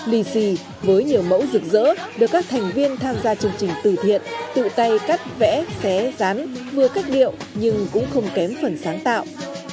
lì xì với nhiều mẫu rực rỡ được các thành viên tham gia chương trình từ thiện tự tay cắt vẽ xé rán vừa cách điệu nhưng cũng không kém phần sáng tạo